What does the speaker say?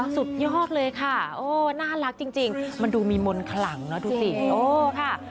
สุดยอดเลยค่ะโอ้น่ารักจริงมันดูมีมนต์ขลังนะดูสิโอ้ค่ะ